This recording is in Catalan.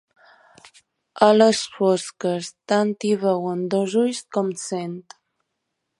A les fosques, tant hi veuen dos ulls com cent.